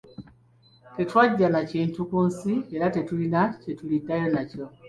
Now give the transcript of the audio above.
Tetwajja na kintu mu nsi era tetulina kye tuliddayo nakyo.